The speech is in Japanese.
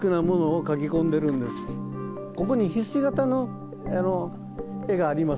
ここにひし形の絵がありますね。